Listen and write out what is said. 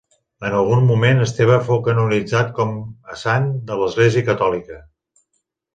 En algun moment, Esteve fou canonitzat com a sant de l'Església Catòlica.